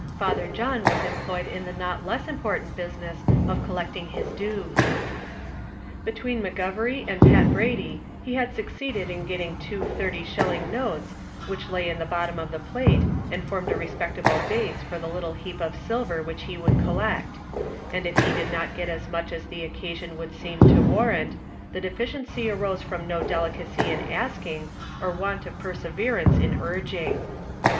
Father John was employed in the not less important business of collecting his dues. Between McGovery and Pat Brady he had succeeded in getting two thirty shilling notes, which lay in the bottom of the plate, and formed a respectable base for the little heap of silver which he would collect; and if he did not get as much as the occasion would seem to warrant, the deficiency arose from no delicacy in asking, or want of perseverance in urging.